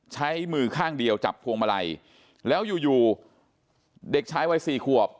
ใช้มือข้างเดียวจับพวงมาลัยแล้วอยู่อยู่เด็กชายวัยสี่ขวบ